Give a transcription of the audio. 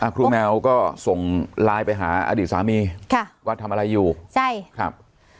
ครูแมวก็ส่งไลน์ไปหาอดีตสามีค่ะว่าทำอะไรอยู่ใช่ครับ